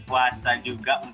karena faktor itu juga jadi